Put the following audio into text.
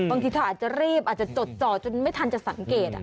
บางทีเธออาจจะรีบอาจจะจดจ่อจนไม่ทันจะสังเกต